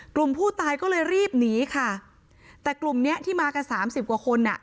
กลุ่มผู้ตายก็เลยรีบหนีค่ะแต่กลุ่มเนี้ยที่มากันสามสิบกว่าคนอ่ะ